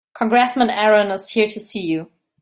Congressman Aaron is here to see you.